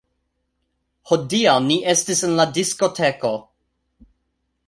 Hodiaŭ ni estis en la diskoteko